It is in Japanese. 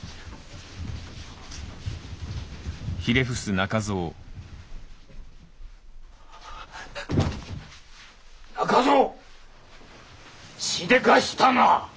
・中蔵しでかしたな！